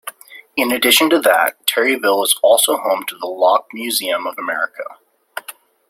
In addition to that, Terryville is also home to the Lock Museum of America.